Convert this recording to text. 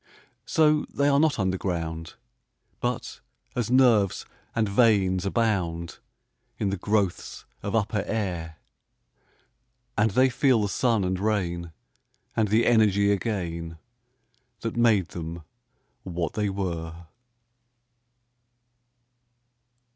So, they are not underground, But as nerves and veins abound In the growths of upper air, And they feel the sun and rain, And the energy again That made them what they were!